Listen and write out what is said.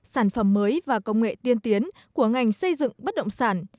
sản phẩm mới và công nghệ tiên tiến của ngành xây dựng bất động sản